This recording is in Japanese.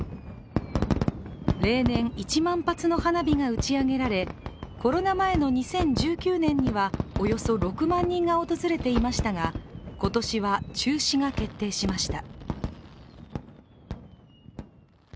例年、１万発の花火が打ち上げられコロナ前の２０１９年にはおよそ６万人が訪れていましたが今年は中止が決定しました。